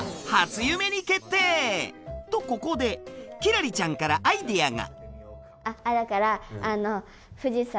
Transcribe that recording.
とここで輝星ちゃんからアイデアが。